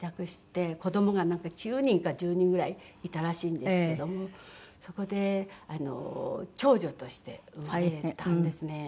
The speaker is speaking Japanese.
子供が９人か１０人ぐらいいたらしいんですけどもそこで長女として生まれたんですね。